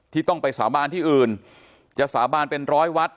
ต้องไปสาบานที่อื่นจะสาบานเป็นร้อยวัด